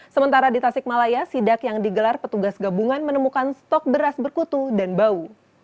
sementara di tasikmalaya sidak yang digelar petugas gabungan menemukan stok beras berkutu dan bau